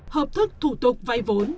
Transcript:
hợp thức thủ tục vay vốn